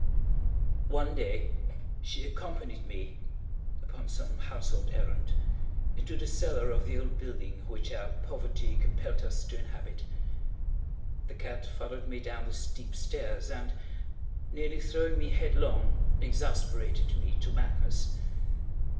One day she accompanied me, upon some household errand, into the cellar of the old building which our poverty compelled us to inhabit. The cat followed me down the steep stairs, and, nearly throwing me headlong, exasperated me to madness.